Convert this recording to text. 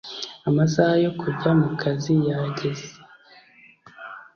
amasaha yo kujya mukazi yarageze